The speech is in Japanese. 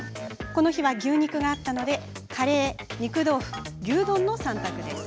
この日は牛肉があったのでカレー、肉豆腐、牛丼の３択です。